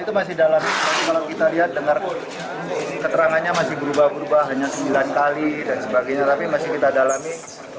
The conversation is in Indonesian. itu masih dalam tapi kalau kita lihat dengar keterangannya masih berubah berubah hanya sembilan kali dan sebagainya tapi masih kita dalami